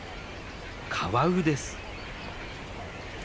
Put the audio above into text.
カワウです。